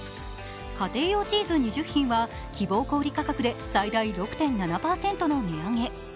家庭用チーズ２０品は希望小売価格で最大６．７％の値上げ。